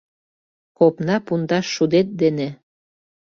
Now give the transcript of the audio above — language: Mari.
Копна пундаш шудет дене